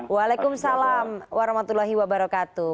waalaikumsalam warahmatullahi wabarakatuh